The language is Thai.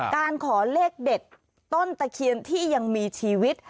การขอเลขเด็ดต้นตะเคียนที่ยังมีชีวิต